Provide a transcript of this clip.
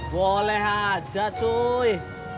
boleh aja cuy